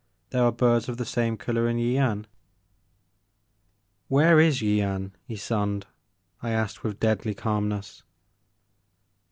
There are birds of the same color in Yian.*' Where is Yian, Ysonde?*' I asked with deadly calmness.